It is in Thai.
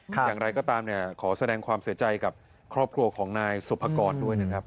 อย่างไรก็ตามเนี่ยขอแสดงความเสียใจกับครอบครัวของนายสุภกรด้วยนะครับ